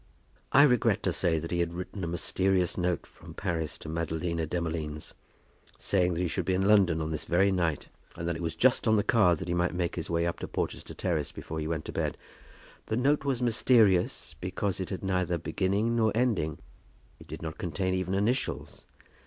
I regret to say that he had written a mysterious note from Paris to Madalina Demolines, saying that he should be in London on this very night, and that it was just on the cards that he might make his way up to Porchester Terrace before he went to bed. The note was mysterious, because it had neither beginning nor ending. It did not contain even initials.